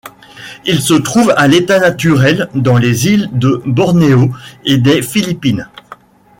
Il se trouve à l'état naturel dans les îles de Bornéo et des Philippines.